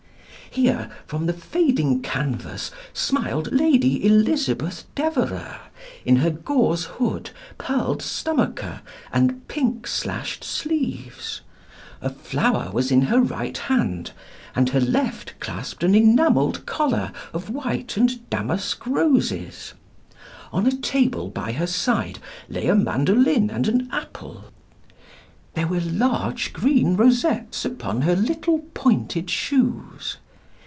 Here, from the fading canvas smiled Lady Elizabeth Devereux, in her gauze hood, pearled stomacher, and pink slashed sleeves. A flower was in her right hand, and her left clasped an enamelled collar of white and damask roses. On a table by her side lay a mandolin and an apple. There were large green rosettes upon her little pointed shoes.